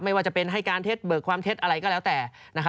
ไม่ว่าจะเป็นให้การเท็จเบิกความเท็จอะไรก็แล้วแต่